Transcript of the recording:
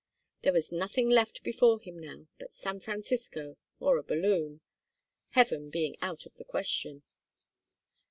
There was nothing left before him now but San Francisco or a balloon; heaven being out of the question.